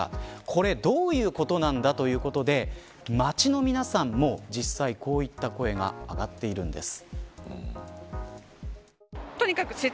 これどういうことなんだということで街の皆さんもこういった声が上がっているんです。